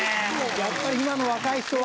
やっぱり今の若い人はこうか。